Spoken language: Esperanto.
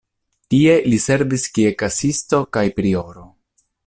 Tie li servis kiel kasisto kaj prioro.